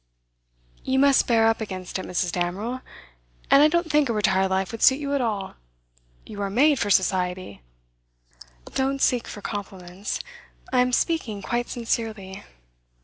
'You must bear up against it, Mrs. Damerel. And I don't think a retired life would suit you at all. You are made for Society.' 'Don't seek for compliments. I am speaking quite sincerely.